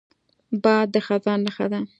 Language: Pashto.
باد د خزان نښه ده